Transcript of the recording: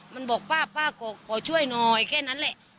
มันบอกป้าป้าขอช่วยหน่อยแค่นั้นแหละ